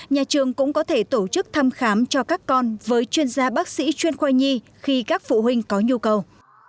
nhà trường cũng có thể tổ chức thăm khám cho các con với chuyên gia bác sĩ chuyên khoai nhi khi các phụ huynh có nhu cầu